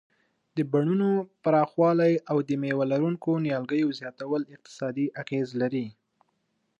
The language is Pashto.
د بڼونو پراخوالی او د مېوه لرونکو نیالګیو زیاتول اقتصادي اغیز لري.